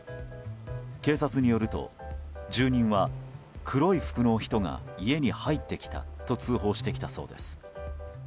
警察によると住人は黒い服の人が家に入ってきたと通報してきたそうです。